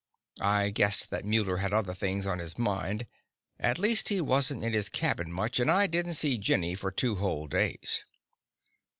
I guessed that Muller had other things on his mind; at least he wasn't in his cabin much, and I didn't see Jenny for two whole days.